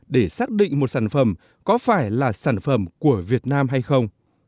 để xác định một sản phẩm có phải là sản phẩm của việt nam hay không